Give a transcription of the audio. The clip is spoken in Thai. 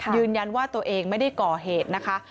ยืนยันว่าตัวเองไม่ได้ก่อเหตุนะคะ